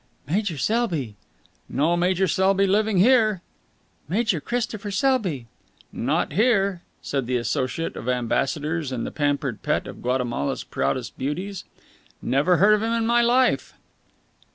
"Major Selby." "No Major Selby living here." "Major Christopher Selby." "Not here," said the associate of ambassadors and the pampered pet of Guatemala's proudest beauties. "Never heard of him in my life!"